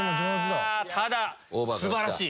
ただ素晴らしい！